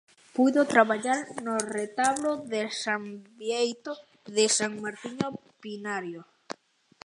Puido traballar no retablo de San Bieito de San Martiño Pinario.